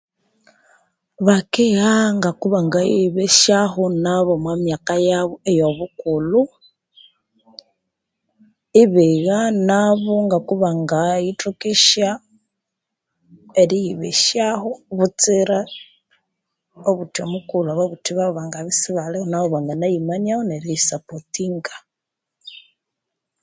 Bakigha ngokubangayibezyaho nabo omwa myaka yabo eyobukulhu, ibigha nabo ngokubangayithokesya eriyibezyaho butsira obuthi omughulhu ababuthi babo bangabya isibaliho nabo banganayibezyaho neriyisapothinga.